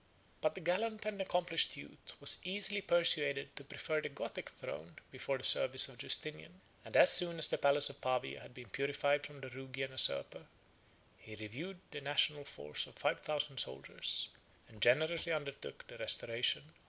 But the gallant and accomplished youth was easily persuaded to prefer the Gothic throne before the service of Justinian; and as soon as the palace of Pavia had been purified from the Rugian usurper, he reviewed the national force of five thousand soldiers, and generously undertook the restoration of the kingdom of Italy.